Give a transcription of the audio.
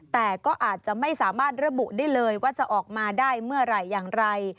แต่ก็อาจจะไม่สามารถระบุได้เลยว่าจะออกมาได้เมื่อไหร่อย่างไร